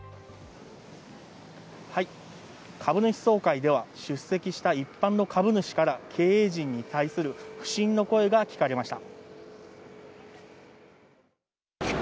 株主総会では出席した一般の株主から経営陣に対する不信の声が聞かれました。